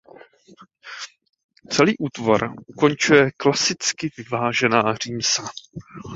Celý útvar ukončuje klasicky vyvážená římsa.